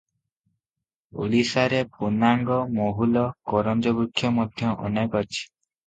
ଓଡ଼ିଶାରେ ପୁନାଙ୍ଗ, ମହୁଲ, କରଞ୍ଜବୃକ୍ଷ ମଧ୍ୟ ଅନେକ ଅଛି ।